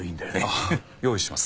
ああ用意します。